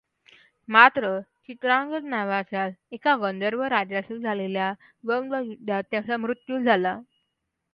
मात्र चित्रांगद नावाच्याच एका गंधर्व राजाशी झालेल्या द्वंद्वयुद्धात त्याचा मृत्यू झाला.